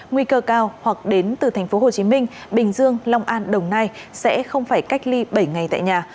nguy cơ cao hoặc đến từ thành phố hồ chí minh bình dương long an đồng nai sẽ không phải cách ly bảy ngày tại nhà